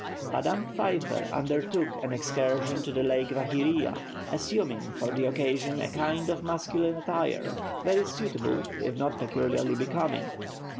Madame Pfeiffer undertook an excursion to the Lake Vaihiria, assuming for the occasion a kind of masculine attire, very suitable if not peculiarly becoming.